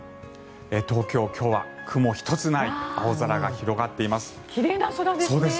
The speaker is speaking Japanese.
東京、今日は雲一つない青空が広がっています。